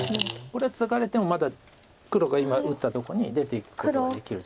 これツガれてもまだ黒が今打ったとこに出ていくことができる。